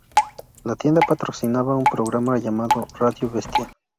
La tienda patrocinaba un programa llamado Radio Bestia.